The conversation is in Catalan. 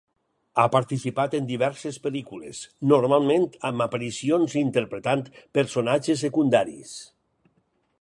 Ha participat en diverses pel·lícules, normalment amb aparicions interpretant personatges secundaris.